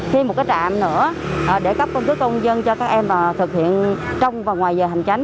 mở ra thêm một cái trạm nữa để các quân cư công dân cho các em thực hiện trong và ngoài giờ hành tránh